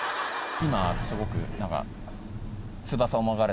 今すごく。